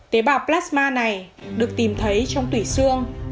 tế bào plasma này được tìm thấy trong tủy xương